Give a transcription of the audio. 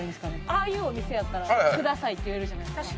ああいうお店やったら「ください」って言えるじゃないですか。